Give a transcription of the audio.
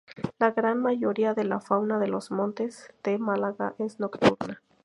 La gran mayoría de la fauna de los Montes de Málaga es nocturna.